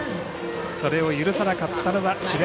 それを許さなかったのが智弁